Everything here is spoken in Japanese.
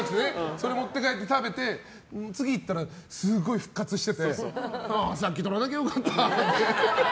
それ持って帰って食べて次行ったらすごい復活しててさっき取らなきゃよかったって。